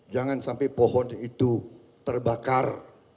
jangan sampai pohon itu terbakar